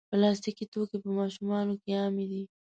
پلاستيکي توکي په ماشومانو کې عام دي.